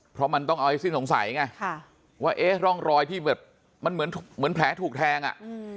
เพราะมันต้องเอาให้สิ้นสงสัยไงว่าเอ๊ะร่องรอยที่แบบมันเหมือนแผลถูกแทงอ่ะ